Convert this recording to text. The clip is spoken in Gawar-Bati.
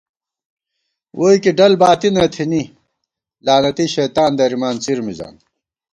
ووئی کی ڈل باتی نہ تھنی، لعنتی شیطان درِمان څِر مِزان